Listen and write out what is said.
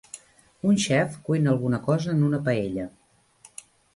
Un xef cuina alguna cosa en una paella.